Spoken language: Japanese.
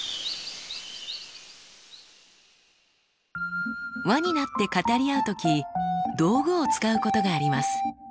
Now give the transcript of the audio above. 輪になって語り合う時道具を使うことがあります。